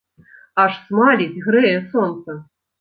Аж смаліць, грэе сонца.